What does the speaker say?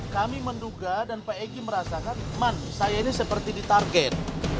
kami menduga dan pak egy merasakan man saya ini seperti di target